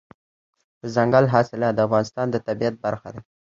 دځنګل حاصلات د افغانستان د طبیعت برخه ده.